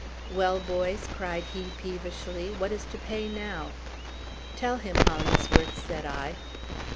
"Well, boys," cried he peevishly, "what is to pay now?" "Tell him, Hollingsworth," said I.